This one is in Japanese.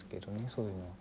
そういうのは。